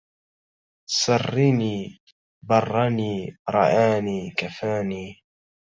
سرّني برَّني رعاني كفاني